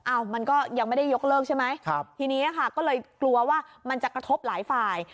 มันก็ยังไม่ได้ยกเลิกใช่ไหมครับทีนี้ค่ะก็เลยกลัวว่ามันจะกระทบหลายฝ่าย